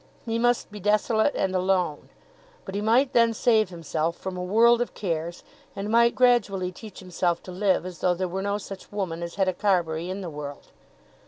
He must be desolate and alone. But he might then save himself from a world of cares, and might gradually teach himself to live as though there were no such woman as Hetta Carbury in the world.